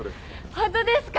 ホントですか？